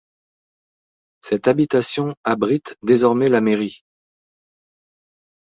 Cette habitation abrite désormais la mairie.